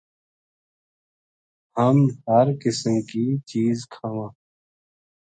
ہم ہر قسم کی چیز کھاواں